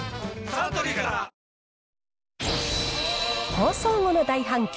放送後の大反響